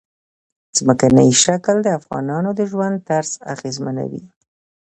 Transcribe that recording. ځمکنی شکل د افغانانو د ژوند طرز اغېزمنوي.